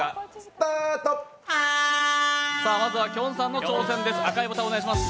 まずは、きょんさんの挑戦です。